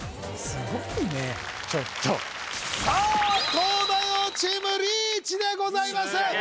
すごいねちょっとさあ東大王チームリーチでございます